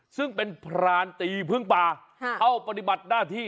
ซึ่งเป็นพรานตีพึ่งป่าเข้าปฏิบัติหน้าที่